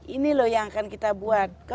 ini loh yang akan kita buat